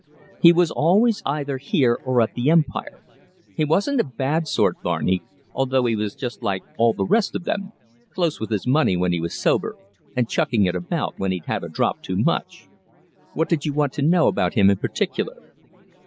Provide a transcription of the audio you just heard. "He was always either here or at the Empire. He wasn't a bad sort, Barney, although he was just like all the rest of them, close with his money when he was sober, and chucking it about when he'd had a drop too much. What did you want to know about him in particular?"